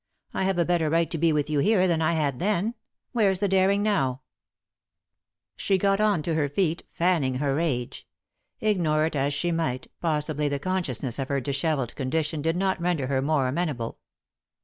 I have a better right to be with you here than I had then — where's the daring now ?" She got on to her feet, fanning her rage ; ignore it as she might, possibly the consciousness of her dishevelled condition did not reader her more amen able.